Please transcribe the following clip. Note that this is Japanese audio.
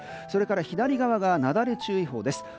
それから左側がなだれ注意報です。